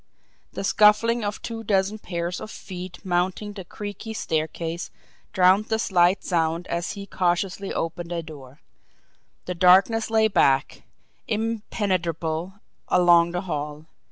The scuffling of two dozen pairs of feet mounting the creaky staircase drowned the slight sound as he cautiously opened a door; the darkness lay black, impenetrable, along the hall.